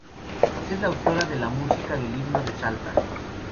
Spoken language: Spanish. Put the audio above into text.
Es la autora de la música del himno de Salta.